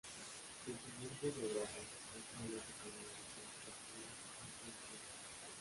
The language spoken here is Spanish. El siguiente diagrama muestra a las localidades más próximas a Franconia.